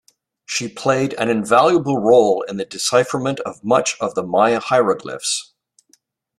She played an invaluable role in the decipherment of much of the Maya hieroglyphs.